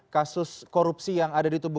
kasus korupsi yang ada di tubuh